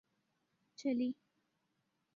چلی